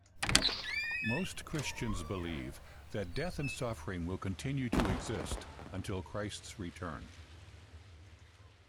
Most Christians believe that death and suffering will continue to exist until Christ's return.